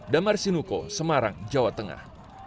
damar sinuko semarang jawa tengah